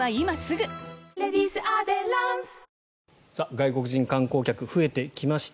外国人観光客増えてきました。